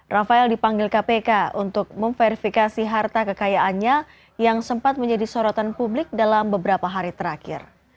rafael dipanggil kpk untuk memverifikasi harta kekayaannya yang sempat menjadi sorotan publik dalam beberapa hari terakhir